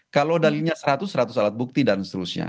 kalau dalinya seratus seratus alat bukti dan seterusnya